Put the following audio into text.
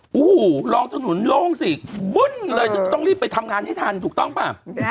โอ้โหลองถนนโล่งสิบึ้นเลยจะต้องรีบไปทำงานให้ทันถูกต้องป่ะ